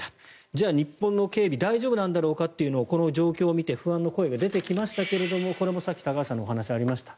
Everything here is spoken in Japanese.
じゃあ日本の警備大丈夫なんだろうかとこの状況を見て不安の声がありましたがこれもさっき高橋さんの話にもありました